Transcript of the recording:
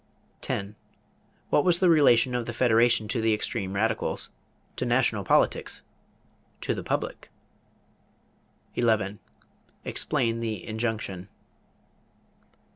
10. What was the relation of the Federation to the extreme radicals? To national politics? To the public? 11. Explain the injunction.